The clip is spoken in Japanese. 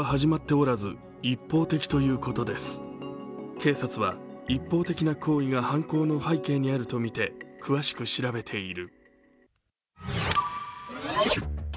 警察は一方的な好意が犯行の背景にあるとみて詳しく調べている。